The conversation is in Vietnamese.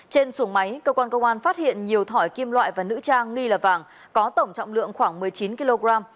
trên xuồng máy cơ quan công an phát hiện nhiều thỏi kim loại và nữ trang nghi là vàng có tổng trọng lượng khoảng một mươi chín kg